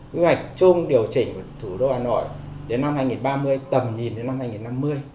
quy hoạch chung điều chỉnh của thủ đô hà nội đến năm hai nghìn ba mươi tầm nhìn đến năm hai nghìn năm mươi